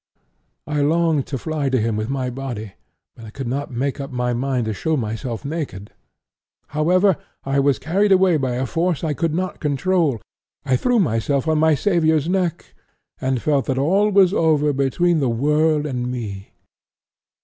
I longed to fly to Him with my body, but could not make up my mind to show myself naked. However, I was carried away by a force I could not control, I threw myself on my Saviour's neck, and felt that all was over between the world and me.'